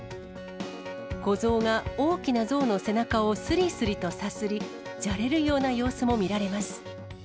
子ゾウが大きなゾウの背中をすりすりとさすり、じゃれるような様